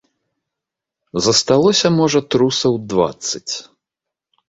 Засталося, можа, трусаў дваццаць.